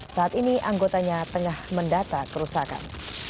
saat ini anggotanya tengah mendata kerusakan